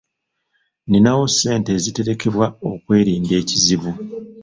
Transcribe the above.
Nninawo ssente eziterekebwa okwerinda ekizibu.